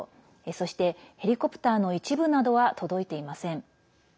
そしてヘリコプターの一部などは届いていません。